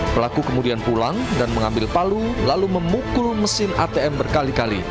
pelaku kemudian pulang dan mengambil palu lalu memukul mesin atm berkali kali